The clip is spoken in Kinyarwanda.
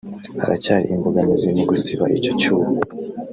Haracyari imbogamizi mu gusiba icyo cyuho